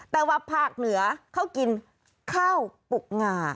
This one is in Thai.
แต่ว่าภาคเหนือเขากินข้าวปลูกงา